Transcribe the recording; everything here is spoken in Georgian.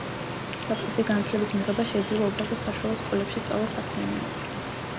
საწყისი განათლების მიღება შეიძლება უფასოდ, საშუალო სკოლებში სწავლა ფასიანია.